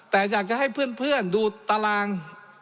แต่อยากจะให้เพื่อนดูตาราง